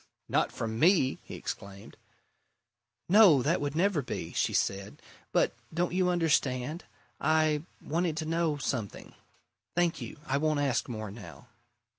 "Not from me!" he exclaimed. "No that would never be!" she said. "But don't you understand? I wanted to know something. Thank you. I won't ask more now."